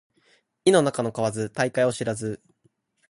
井の中の蛙大海を知らず